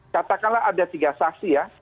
katakanlah ada tiga saksi ya